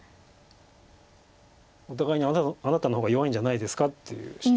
お互いにあなたの方が弱いんじゃないですかっていう主張。